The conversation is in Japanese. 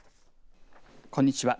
こんにちは。